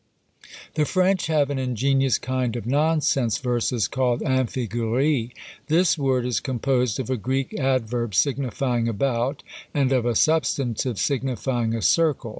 The French have an ingenious kind of Nonsense Verses called Amphigouries. This word is composed of a Greek adverb signifying about, and of a substantive signifying a circle.